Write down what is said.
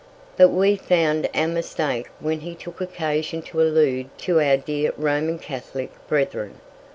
But we found our mistake when he took occasion to allude to "our dear Roman Catholic brethren."